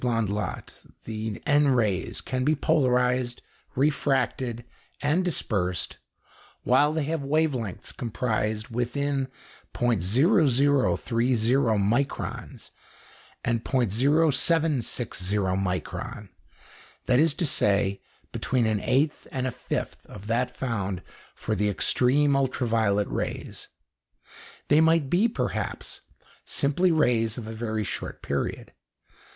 Blondlot the N rays can be polarised, refracted, and dispersed, while they have wavelengths comprised within .0030 micron, and .0760 micron that is to say, between an eighth and a fifth of that found for the extreme ultra violet rays. They might be, perhaps, simply rays of a very short period.